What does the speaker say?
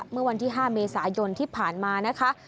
เมื่อวันที่๕เมษายนที่ผ่านมานะคะ